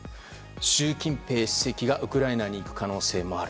習近平主席がウクライナに行く可能性もある。